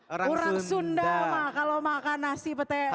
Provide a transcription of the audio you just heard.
orang sunda mah kalau makan nasi pete